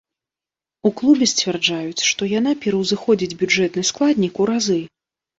У клубе сцвярджаюць, што яна пераўзыходзіць бюджэтны складнік у разы.